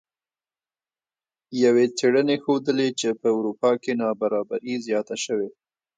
یوې څیړنې ښودلې چې په اروپا کې نابرابري زیاته شوې